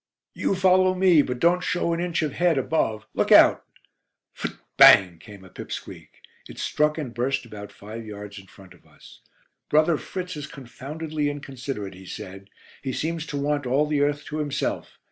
"You follow me, but don't show an inch of head above. Look out." Phut bang came a pip squeak. It struck and burst about five yards in front of us. "Brother Fritz is confoundedly inconsiderate," he said. "He seems to want all the earth to himself.